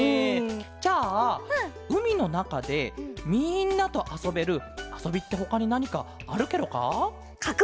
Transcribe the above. じゃあうみのなかでみんなとあそべるあそびってほかになにかあるケロか？